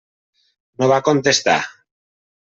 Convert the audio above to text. No va contestar.